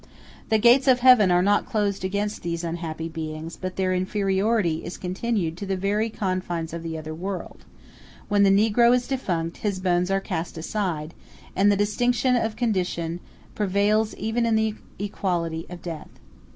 The gates of Heaven are not closed against these unhappy beings; but their inferiority is continued to the very confines of the other world; when the negro is defunct, his bones are cast aside, and the distinction of condition prevails even in the equality of death.